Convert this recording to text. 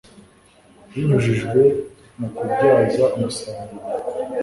binyujijwe mu kubyaza umusaruro